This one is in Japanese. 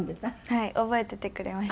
はい覚えててくれました。